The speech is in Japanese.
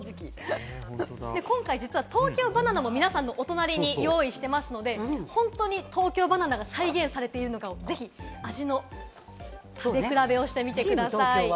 今回、実は東京ばな奈も皆さんのお隣に用意していますので、本当に東京ばな奈が再現されているのかを、ぜひ味の食べ比べをしてみてください。